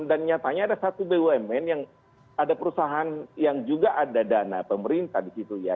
dan nyatanya ada satu bumn yang ada perusahaan yang juga ada dana pemerintah di situ ya